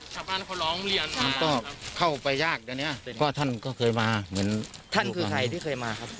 เข้าไปยากเดี๋ยวเนี่ยเพราะท่านก็เคยมาเหมือนท่านคือใครที่เคยมาครับ